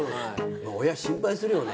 親心配するよね。